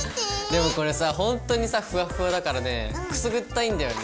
でもこれさほんとにさふわっふわだからねくすぐったいんだよね。